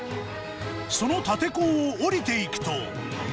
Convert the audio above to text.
その立坑を降りていくと。